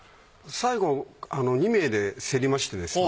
最後２名で競りましてですね